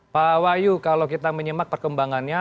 pak wayu kalau kita menyemak perkembangannya